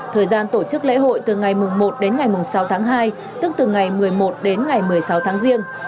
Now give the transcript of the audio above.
thời gian tổ chức lễ hội từ ngày một đến ngày sáu tháng hai tức từ ngày một mươi một đến ngày một mươi sáu tháng riêng